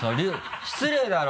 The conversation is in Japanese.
失礼だろ！